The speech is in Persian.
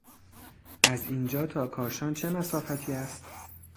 از اینجا تا کاشان چه مسافتی است؟